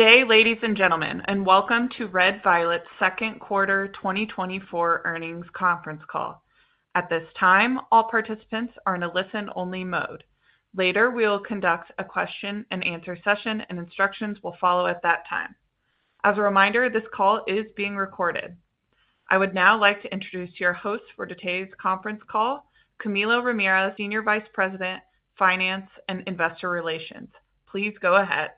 Good day, ladies and gentlemen, and welcome to Red Violet's second quarter 2024 earnings conference call. At this time, all participants are in a listen-only mode. Later, we will conduct a question and answer session, and instructions will follow at that time. As a reminder, this call is being recorded. I would now like to introduce your host for today's conference call, Camilo Ramirez, Senior Vice President, Finance and Investor Relations. Please go ahead.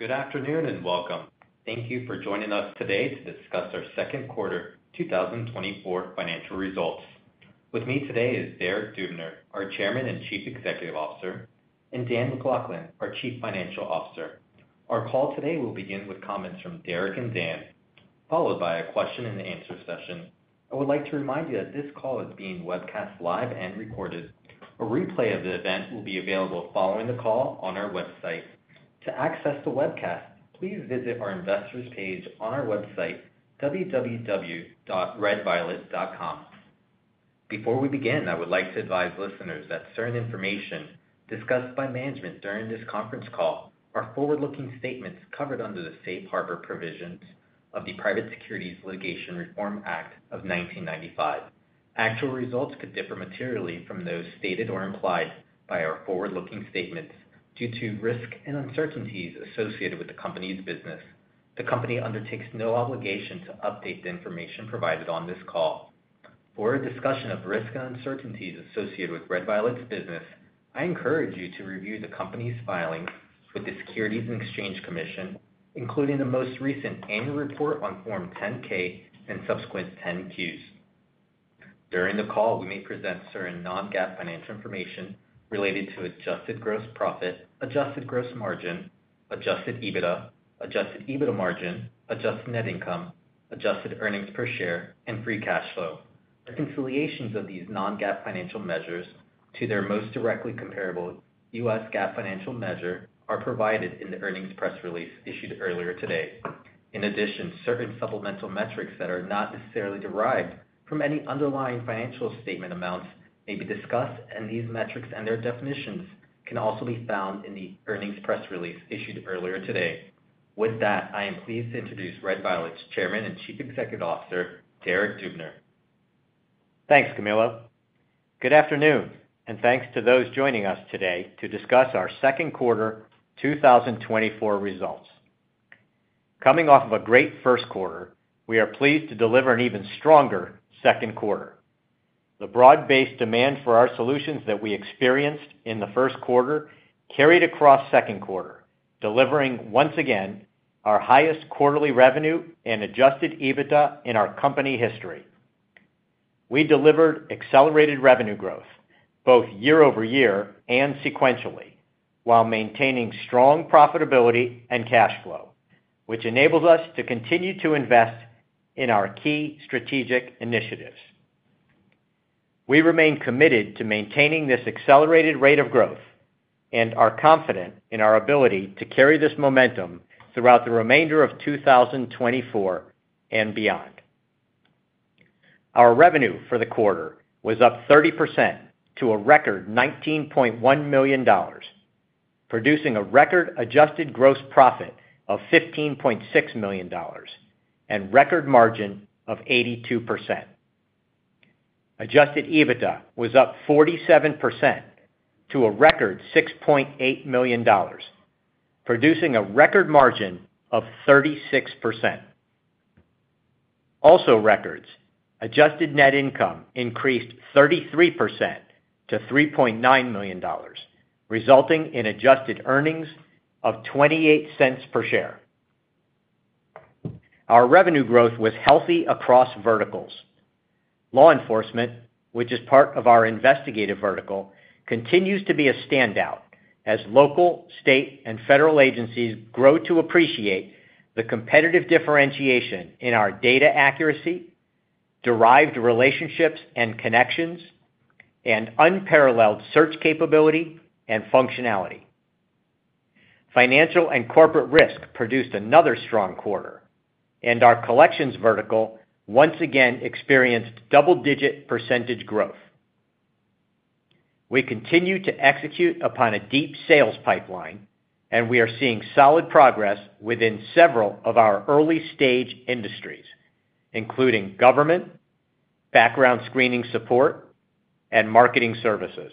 Good afternoon, and welcome. Thank you for joining us today to discuss our second quarter 2024 financial results. With me today is Derek Dubner, our Chairman and Chief Executive Officer, and Dan McLaughlin, our Chief Financial Officer. Our call today will begin with comments from Derek and Dan, followed by a question and answer session. I would like to remind you that this call is being webcast live and recorded. A replay of the event will be available following the call on our website. To access the webcast, please visit our Investors page on our website, www.redviolet.com. Before we begin, I would like to advise listeners that certain information discussed by management during this conference call are forward-looking statements covered under the safe harbor provisions of the Private Securities Litigation Reform Act of 1995. Actual results could differ materially from those stated or implied by our forward-looking statements due to risks and uncertainties associated with the company's business. The company undertakes no obligation to update the information provided on this call. For a discussion of risks and uncertainties associated with Red Violet's business, I encourage you to review the company's filings with the Securities and Exchange Commission, including the most recent annual report on Form 10-K and subsequent 10-Qs. During the call, we may present certain non-GAAP financial information related to adjusted gross profit, adjusted gross margin, adjusted EBITDA, adjusted EBITDA margin, adjusted net income, adjusted earnings per share, and free cash flow. Reconciliations of these non-GAAP financial measures to their most directly comparable U.S. GAAP financial measure are provided in the earnings press release issued earlier today. In addition, certain supplemental metrics that are not necessarily derived from any underlying financial statement amounts may be discussed, and these metrics and their definitions can also be found in the earnings press release issued earlier today. With that, I am pleased to introduce Red Violet's Chairman and Chief Executive Officer, Derek Dubner. Thanks, Camilo. Good afternoon, and thanks to those joining us today to discuss our second quarter 2024 results. Coming off of a great first quarter, we are pleased to deliver an even stronger second quarter. The broad-based demand for our solutions that we experienced in the first quarter carried across second quarter, delivering once again our highest quarterly revenue and adjusted EBITDA in our company history. We delivered accelerated revenue growth both year-over-year and sequentially, while maintaining strong profitability and cash flow, which enables us to continue to invest in our key strategic initiatives. We remain committed to maintaining this accelerated rate of growth and are confident in our ability to carry this momentum throughout the remainder of 2024 and beyond. Our revenue for the quarter was up 30% to a record $19.1 million, producing a record adjusted gross profit of $15.6 million and record margin of 82%. Adjusted EBITDA was up 47% to a record $6.8 million, producing a record margin of 36%. Also records, adjusted net income increased 33% to $3.9 million, resulting in adjusted earnings of $0.28 per share. Our revenue growth was healthy across verticals. Law enforcement, which is part of our investigative vertical, continues to be a standout as local, state, and federal agencies grow to appreciate the competitive differentiation in our data accuracy, derived relationships and connections, and unparalleled search capability and functionality. Financial and corporate risk produced another strong quarter, and our collections vertical once again experienced double-digit percentage growth. We continue to execute upon a deep sales pipeline, and we are seeing solid progress within several of our early-stage industries, including government, background screening support, and marketing services.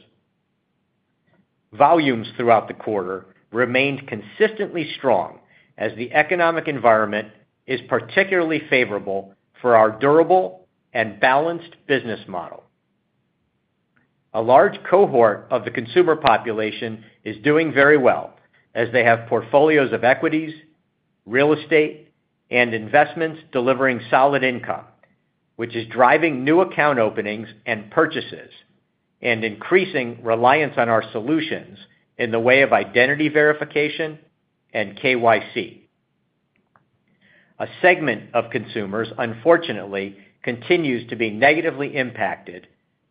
Volumes throughout the quarter remained consistently strong as the economic environment is particularly favorable for our durable and balanced business model. A large cohort of the consumer population is doing very well, as they have portfolios of equities, real estate, and investments delivering solid income, which is driving new account openings and purchases and increasing reliance on our solutions in the way of identity verification and KYC. A segment of consumers, unfortunately, continues to be negatively impacted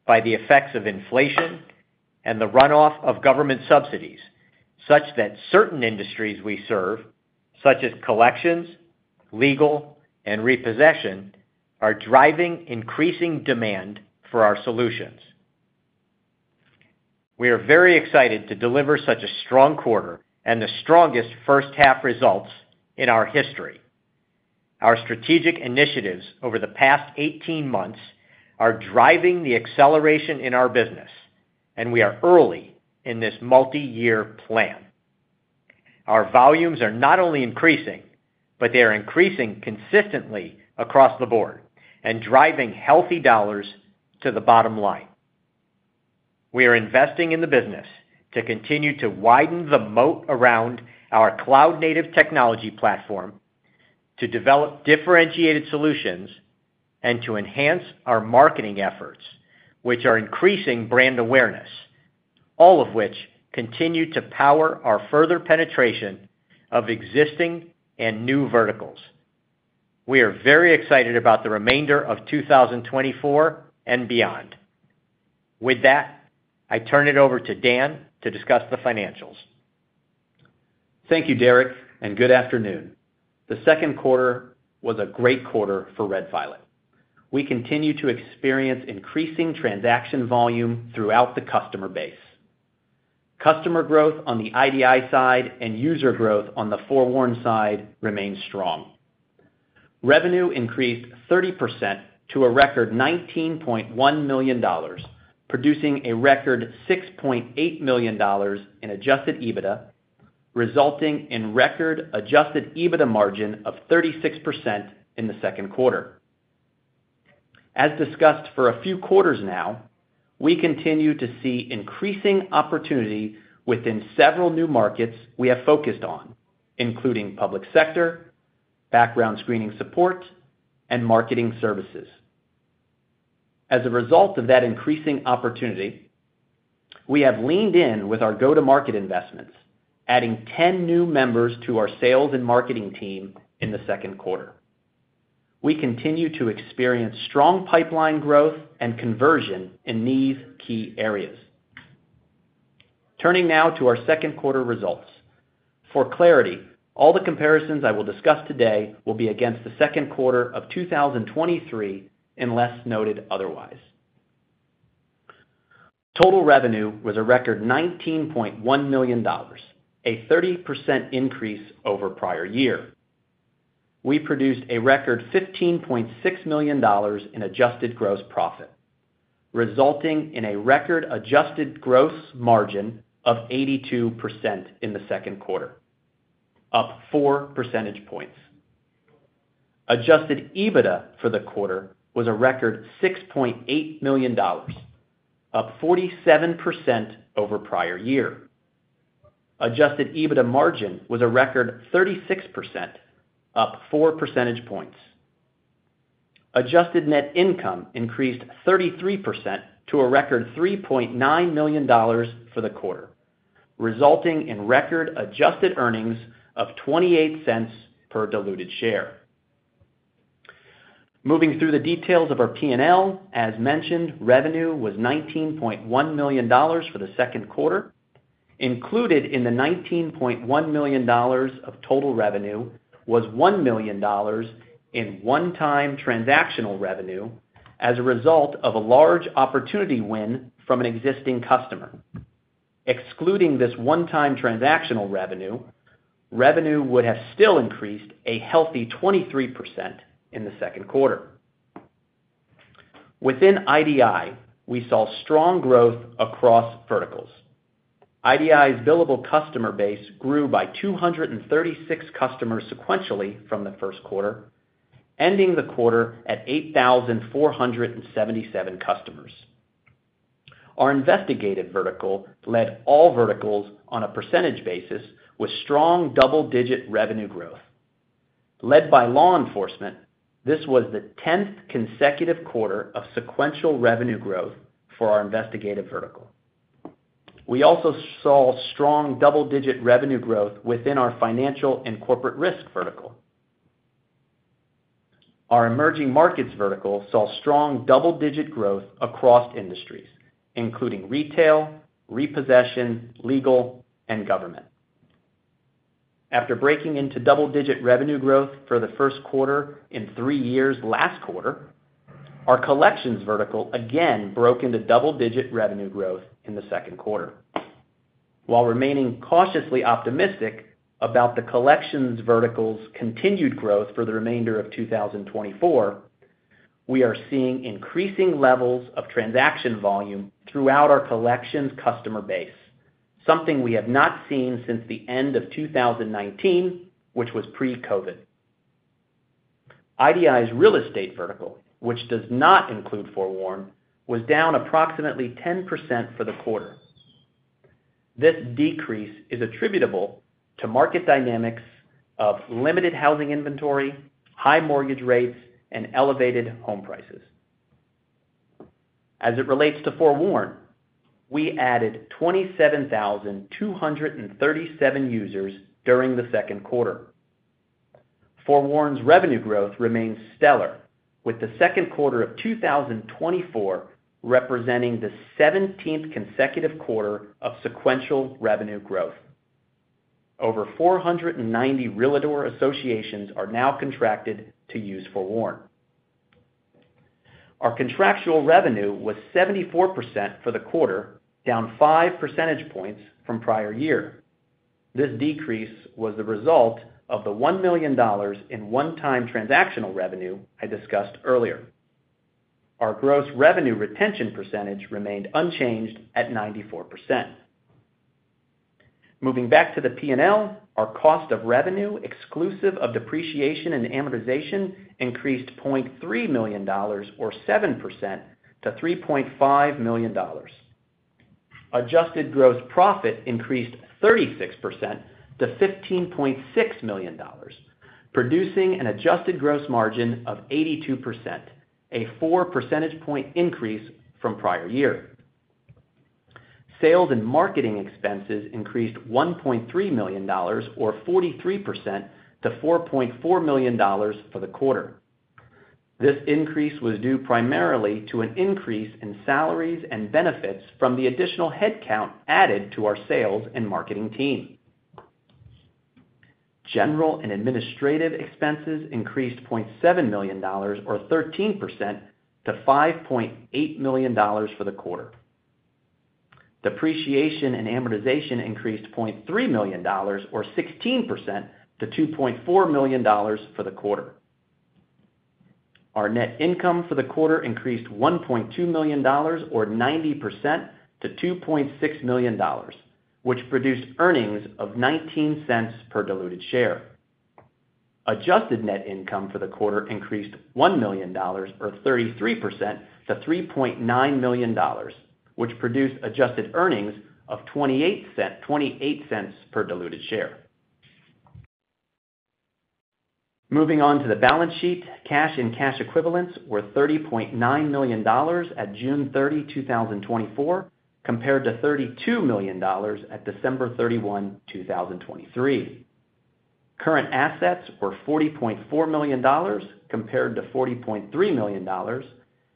by the effects of inflation and the runoff of government subsidies, such that certain industries we serve, such as collections, legal, and repossession, are driving increasing demand for our solutions. We are very excited to deliver such a strong quarter and the strongest first half results in our history. Our strategic initiatives over the past eighteen months are driving the acceleration in our business, and we are early in this multi-year plan. Our volumes are not only increasing, but they are increasing consistently across the board and driving healthy dollars to the bottom line. We are investing in the business to continue to widen the moat around our cloud-native technology platform, to develop differentiated solutions, and to enhance our marketing efforts, which are increasing brand awareness, all of which continue to power our further penetration of existing and new verticals. We are very excited about the remainder of 2024 and beyond. With that, I turn it over to Dan to discuss the financials. Thank you, Derek, and good afternoon. The second quarter was a great quarter for Red Violet. We continue to experience increasing transaction volume throughout the customer base. Customer growth on the IDI side and user growth on the FOREWARN side remains strong. Revenue increased 30% to a record $19.1 million, producing a record $6.8 million in adjusted EBITDA, resulting in record adjusted EBITDA margin of 36% in the second quarter. As discussed for a few quarters now, we continue to see increasing opportunity within several new markets we have focused on, including public sector, background screening support, and marketing services. As a result of that increasing opportunity, we have leaned in with our go-to-market investments, adding 10 new members to our sales and marketing team in the second quarter. We continue to experience strong pipeline growth and conversion in these key areas. Turning now to our second quarter results. For clarity, all the comparisons I will discuss today will be against the second quarter of 2023, unless noted otherwise. Total revenue was a record $19.1 million, a 30% increase over prior year. We produced a record $15.6 million in adjusted gross profit, resulting in a record adjusted gross margin of 82% in the second quarter, up four percentage points. Adjusted EBITDA for the quarter was a record $6.8 million, up 47% over prior year. Adjusted EBITDA margin was a record 36%, up four percentage points. Adjusted net income increased 33% to a record $3.9 million for the quarter, resulting in record adjusted earnings of $0.28 per diluted share. Moving through the details of our P&L, as mentioned, revenue was $19.1 million for the second quarter. Included in the $19.1 million of total revenue was $1 million in one-time transactional revenue as a result of a large opportunity win from an existing customer. Excluding this one-time transactional revenue, revenue would have still increased a healthy 23% in the second quarter. Within IDI, we saw strong growth across verticals. IDI's billable customer base grew by 236 customers sequentially from the first quarter, ending the quarter at 8,477 customers. Our investigative vertical led all verticals on a percentage basis with strong double-digit revenue growth. Led by law enforcement, this was the 10th consecutive quarter of sequential revenue growth for our investigative vertical. We also saw strong double-digit revenue growth within our financial and corporate risk vertical. Our emerging markets vertical saw strong double-digit growth across industries, including retail, repossession, legal, and government. After breaking into double-digit revenue growth for the first quarter in three years last quarter, our collections vertical again broke into double-digit revenue growth in the second quarter. While remaining cautiously optimistic about the collections vertical's continued growth for the remainder of 2024, we are seeing increasing levels of transaction volume throughout our collections customer base, something we have not seen since the end of 2019, which was pre-COVID. IDI's real estate vertical, which does not include FOREWARN, was down approximately 10% for the quarter. This decrease is attributable to market dynamics of limited housing inventory, high mortgage rates, and elevated home prices. As it relates to FOREWARN, we added 27,237 users during the second quarter. FOREWARN's revenue growth remains stellar, with the second quarter of 2024 representing the 17th consecutive quarter of sequential revenue growth. Over 490 Realtor associations are now contracted to use FOREWARN. Our contractual revenue was 74% for the quarter, down 5 percentage points from prior year. This decrease was the result of the $1 million in one-time transactional revenue I discussed earlier. Our gross revenue retention percentage remained unchanged at 94%. Moving back to the P&L, our cost of revenue, exclusive of depreciation and amortization, increased $0.3 million or 7% to $3.5 million. Adjusted gross profit increased 36% to $15.6 million, producing an adjusted gross margin of 82%, a 4 percentage point increase from prior year. Sales and marketing expenses increased $1.3 million or 43% to $4.4 million for the quarter. This increase was due primarily to an increase in salaries and benefits from the additional headcount added to our sales and marketing team. General and administrative expenses increased $0.7 million or 13% to $5.8 million for the quarter. Depreciation and amortization increased $0.3 million or 16% to $2.4 million for the quarter. Our net income for the quarter increased $1.2 million or 90% to $2.6 million, which produced earnings of $0.19 per diluted share. Adjusted net income for the quarter increased $1 million or 33% to $3.9 million, which produced adjusted earnings of 28 cents per diluted share. Moving on to the balance sheet. Cash and cash equivalents were $30.9 million at June 30, 2024, compared to $32 million at December 31, 2023. Current assets were $40.4 million compared to $40.3 million,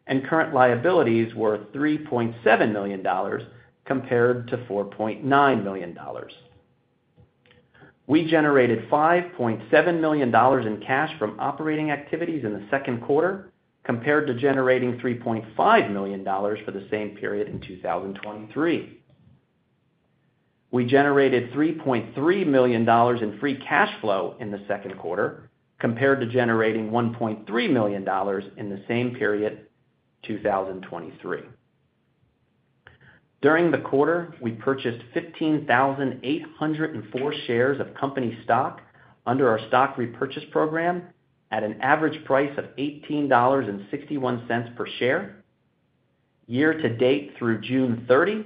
and current liabilities were $3.7 million compared to $4.9 million. We generated $5.7 million in cash from operating activities in the second quarter, compared to generating $3.5 million for the same period in 2023. We generated $3.3 million in free cash flow in the second quarter, compared to generating $1.3 million in the same period, 2023. During the quarter, we purchased 15,804 shares of company stock under our stock repurchase program at an average price of $18.61 per share. Year to date through June 30,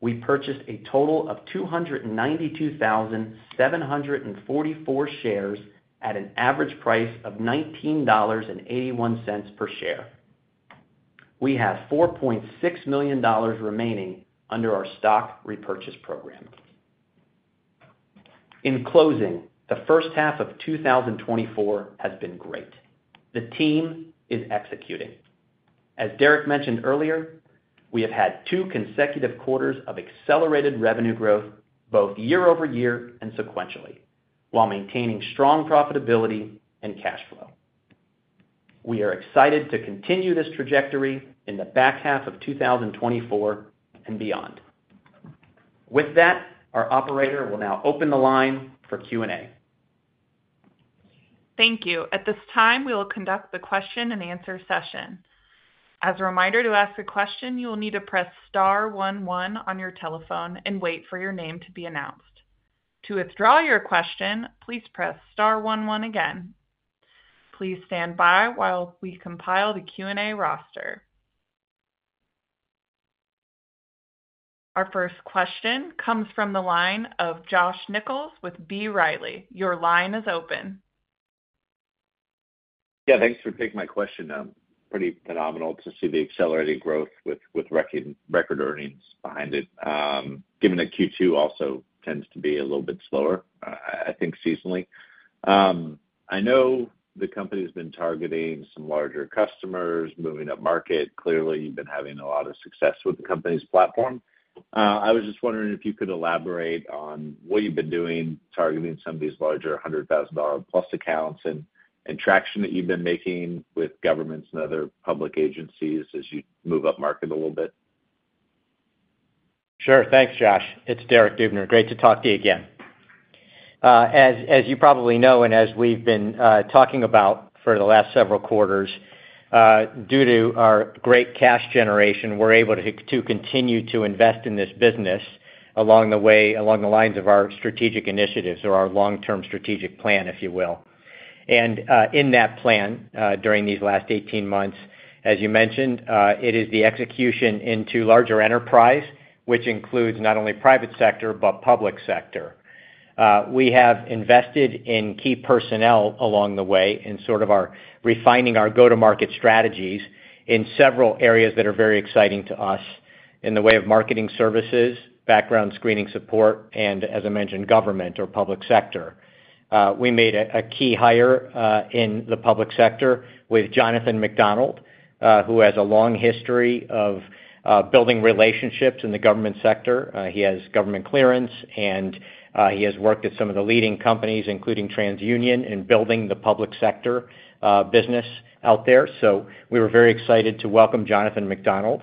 we purchased a total of 292,744 shares at an average price of $19.81 per share. We have $4.6 million remaining under our stock repurchase program. In closing, the first half of 2024 has been great. The team is executing. As Derek mentioned earlier, we have had two consecutive quarters of accelerated revenue growth, both year-over-year and sequentially, while maintaining strong profitability and cash flow. We are excited to continue this trajectory in the back half of 2024 and beyond. With that, our operator will now open the line for Q&A. Thank you. At this time, we will conduct the question-and-answer session. As a reminder, to ask a question, you will need to press star one one on your telephone and wait for your name to be announced. To withdraw your question, please press star one one again. Please stand by while we compile the Q&A roster. Our first question comes from the line of Josh Nichols with B. Riley. Your line is open. Yeah, thanks for taking my question. Pretty phenomenal to see the accelerating growth with record earnings behind it, given that Q2 also tends to be a little bit slower, I think seasonally. I know the company's been targeting some larger customers, moving up market. Clearly, you've been having a lot of success with the company's platform. I was just wondering if you could elaborate on what you've been doing, targeting some of these larger $100,000-plus accounts and traction that you've been making with governments and other public agencies as you move up market a little bit. Sure. Thanks, Josh. It's Derek Dubner. Great to talk to you again. As you probably know, and as we've been talking about for the last several quarters, due to our great cash generation, we're able to continue to invest in this business along the way, along the lines of our strategic initiatives or our long-term strategic plan, if you will. And in that plan, during these last 18 months, as you mentioned, it is the execution into larger enterprise, which includes not only private sector, but public sector. We have invested in key personnel along the way in sort of our refining our go-to-market strategies in several areas that are very exciting to us.... in the way of marketing services, background screening support, and as I mentioned, government or public sector. We made a key hire in the public sector with Jonathan McDonald, who has a long history of building relationships in the government sector. He has government clearance, and he has worked at some of the leading companies, including TransUnion, in building the public sector business out there. So we were very excited to welcome Jonathan McDonald.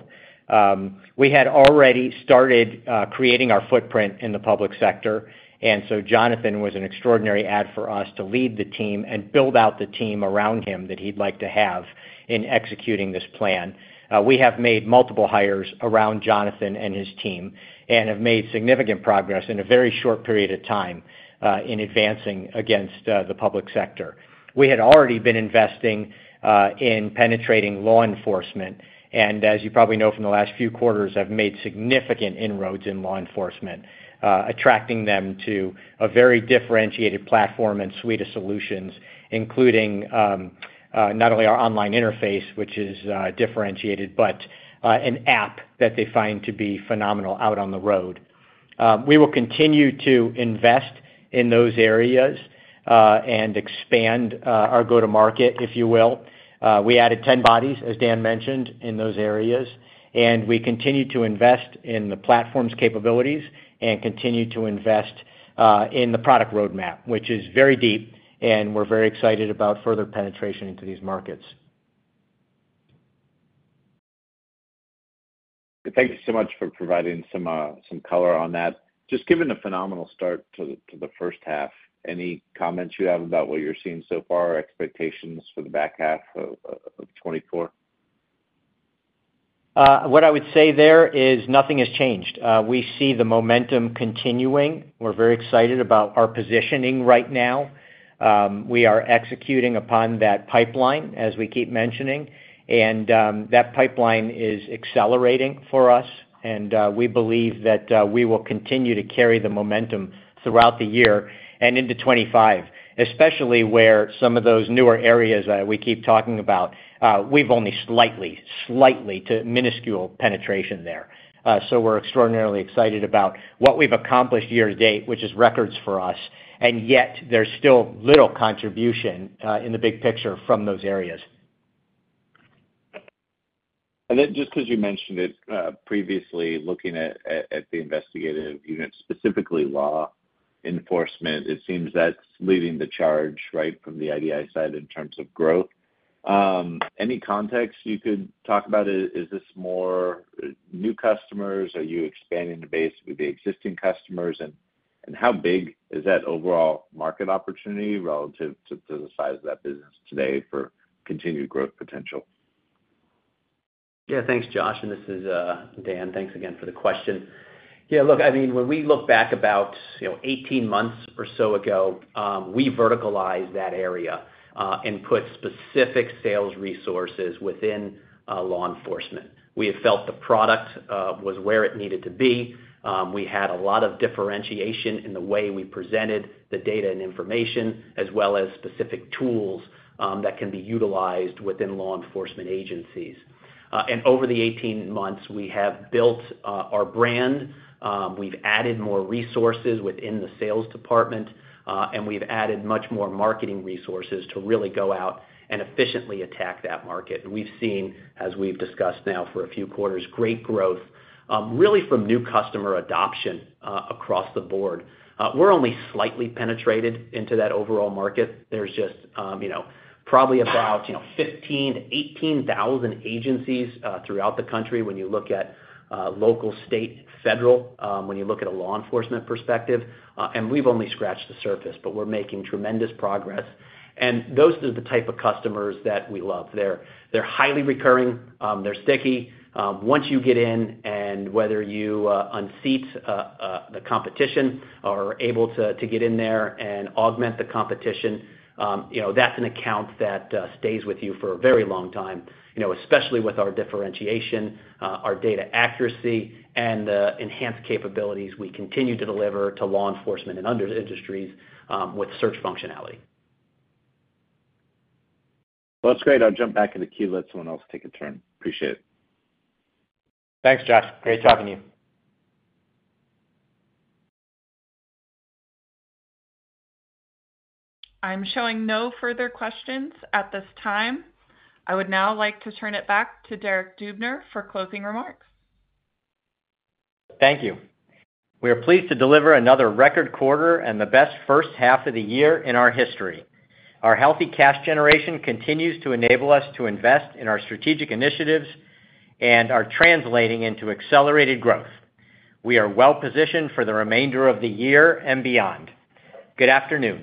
We had already started creating our footprint in the public sector, and so Jonathan was an extraordinary add for us to lead the team and build out the team around him that he'd like to have in executing this plan. We have made multiple hires around Jonathan and his team and have made significant progress in a very short period of time in advancing against the public sector. We had already been investing in penetrating law enforcement, and as you probably know from the last few quarters, have made significant inroads in law enforcement, attracting them to a very differentiated platform and suite of solutions, including not only our online interface, which is differentiated, but an app that they find to be phenomenal out on the road. We will continue to invest in those areas and expand our go-to-market, if you will. We added 10 bodies, as Dan mentioned, in those areas, and we continue to invest in the platform's capabilities and continue to invest in the product roadmap, which is very deep, and we're very excited about further penetration into these markets. Thank you so much for providing some color on that. Just given the phenomenal start to the first half, any comments you have about what you're seeing so far, expectations for the back half of 2024? What I would say there is nothing has changed. We see the momentum continuing. We're very excited about our positioning right now. We are executing upon that pipeline, as we keep mentioning, and that pipeline is accelerating for us, and we believe that we will continue to carry the momentum throughout the year and into 2025, especially where some of those newer areas we keep talking about, we've only slightly, slightly to minuscule penetration there. So we're extraordinarily excited about what we've accomplished year to date, which is records for us, and yet there's still little contribution in the big picture from those areas. And then, just 'cause you mentioned it, previously, looking at the investigative units, specifically law enforcement, it seems that's leading the charge, right, from the IDI side in terms of growth. Any context you could talk about it? Is this more new customers? Are you expanding the base with the existing customers? And how big is that overall market opportunity relative to the size of that business today for continued growth potential? Yeah, thanks, Josh, and this is, Dan. Thanks again for the question. Yeah, look, I mean, when we look back about, you know, 18 months or so ago, we verticalized that area, and put specific sales resources within law enforcement. We had felt the product was where it needed to be. We had a lot of differentiation in the way we presented the data and information, as well as specific tools that can be utilized within law enforcement agencies. And over the 18 months, we have built our brand, we've added more resources within the sales department, and we've added much more marketing resources to really go out and efficiently attack that market. We've seen, as we've discussed now for a few quarters, great growth, really from new customer adoption, across the board. We're only slightly penetrated into that overall market. There's just, you know, probably about, you know, 15-18 thousand agencies throughout the country when you look at local, state, federal, when you look at a law enforcement perspective, and we've only scratched the surface, but we're making tremendous progress. And those are the type of customers that we love. They're, they're highly recurring, they're sticky. Once you get in, and whether you unseat the competition or are able to get in there and augment the competition, you know, that's an account that stays with you for a very long time, you know, especially with our differentiation, our data accuracy, and enhanced capabilities we continue to deliver to law enforcement and other industries, with search functionality. Well, that's great. I'll jump back in the queue, let someone else take a turn. Appreciate it. Thanks, Josh. Great talking to you. I'm showing no further questions at this time. I would now like to turn it back to Derek Dubner for closing remarks. Thank you. We are pleased to deliver another record quarter and the best first half of the year in our history. Our healthy cash generation continues to enable us to invest in our strategic initiatives and are translating into accelerated growth. We are well positioned for the remainder of the year and beyond. Good afternoon.